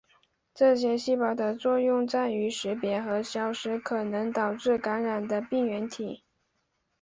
这些细胞的作用在于识别和消灭可能导致感染的病原体。